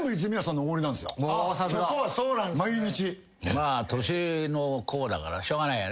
まあ年の功だからしょうがないよね。